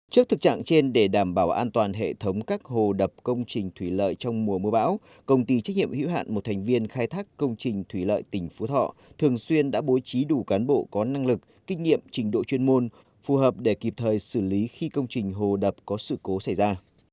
trước thực trạng trên để đảm bảo an toàn hệ thống các hồ đập công trình thủy lợi trong mùa mưa bão công ty trách nhiệm hữu hạn một thành viên khai thác công trình thủy lợi tỉnh phú thọ thường xuyên đã bố trí đủ cán bộ có năng lực kinh nghiệm trình độ chuyên môn phù hợp để kịp thời xử lý khi công trình hồ đập có sự cố xảy ra